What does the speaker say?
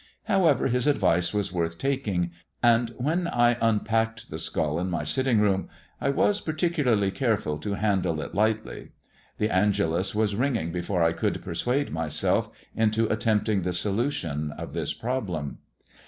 However, his advice was worth taking ; and when I unpacked the skull in my sitting room I was particularly careful to handle it lightly. The Angelus was ringing before I could persuade myself into attempting the solution of this problem.